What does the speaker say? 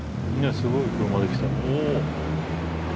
すごい車で来た。